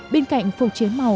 bên cạnh phục chế màu